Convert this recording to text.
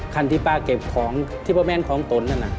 คันที่ป้าเก็บของที่ป้าแม่นของตนนั่นน่ะ